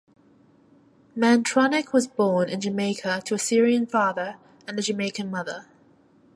Mantronik was born in Jamaica to a Syrian father and a Jamaican mother.